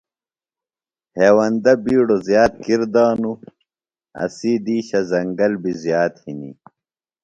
ہیوندہ بِیڈوۡ زِیات کِر دانُوۡ۔ اسی دِیشہ زنگل بیۡ زیات ہِنیۡ۔